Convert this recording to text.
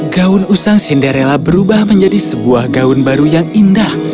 gaun usang cinderella berubah menjadi sebuah gaun baru yang indah